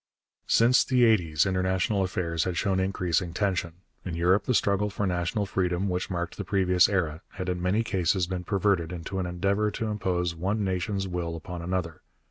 Since the eighties international affairs had shown increasing tension. In Europe the struggle for national freedom, which marked the previous era, had in many cases been perverted into an endeavour to impose one nation's will upon another.